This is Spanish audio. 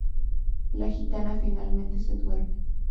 La gitana finalmente se duerme.